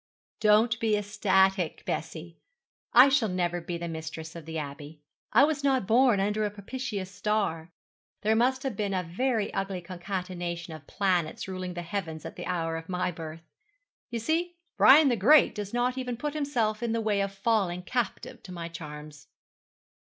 'Don't be ecstatic, Bessie. I shall never be the mistress of the Abbey. I was not born under a propitious star. There must have been a very ugly concatenation of planets ruling the heavens at the hour of my birth. You see, Brian the Great does not even put himself in the way of falling captive to my charms.'